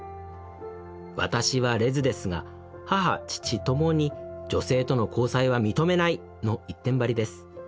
私はレズですが母父ともに『女性との交際は認めない』の一点張りです。